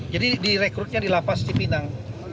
jadi direkrutnya di lapas sipinang